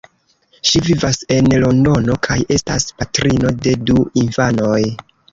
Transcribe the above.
Ŝi vivas en Londono kaj estas patrino de du infanoj.